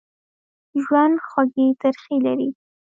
ژوند خوږې ترخې لري.